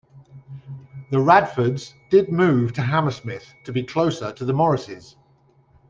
The Radfords did move to Hammersmith, to be closer to the Morrises.